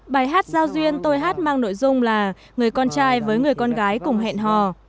bài hát giao duyên tôi hát mang nội dung là người con trai với người con gái cùng hẹn hò